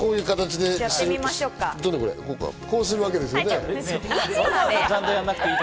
で、こうするわけですよね。